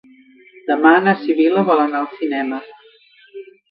Demà na Sibil·la vol anar al cinema.